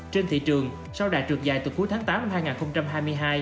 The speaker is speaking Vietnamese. trên thị trường sau đạt trượt dài từ cuối tháng tám năm hai nghìn hai mươi hai